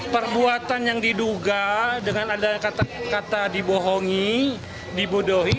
perbuatan yang diduga dengan ada kata kata dibohongi dibodohi